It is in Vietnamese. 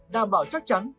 đảm bảo chắc chắn